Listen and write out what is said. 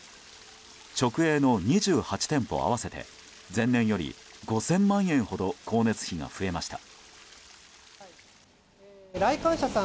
直営の２８店舗合わせて前年より５０００万円ほど光熱費が増えました。